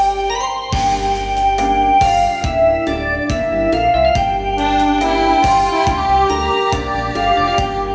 โชคดีครับพี่เลง